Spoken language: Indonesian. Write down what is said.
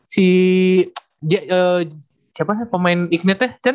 si siapa pemain ignite nya chen